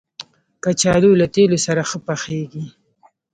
کچالو له تېلو سره ښه پخېږي